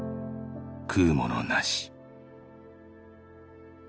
「食うものなし」